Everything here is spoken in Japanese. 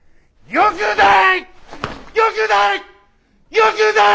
よくない！